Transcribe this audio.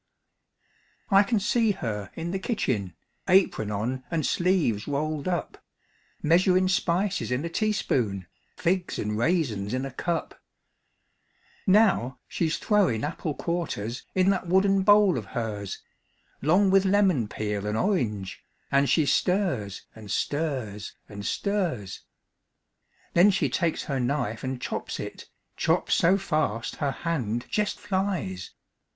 I can see her in the kitchen, Apron on and sleeves rolled up, Measurin' spices in a teaspoon, Figs and raisins in a cup. Now she's throwin' apple quarters In that wooden bowl of hers, 'Long with lemon peel and orange, An' she stirs, an' stirs, an' stirs. Then she takes her knife an' chops it, Chops so fast her hand jest flies.